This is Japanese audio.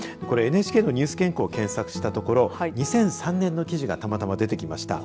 ＮＨＫのニュース原稿を検索したところに２００３年の記事がたまたまでできました。